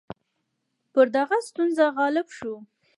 پر دغه ستونزه غالب شو.